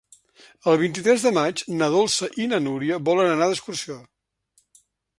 El vint-i-tres de maig na Dolça i na Núria volen anar d'excursió.